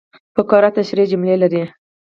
فقره تشریحي جملې لري.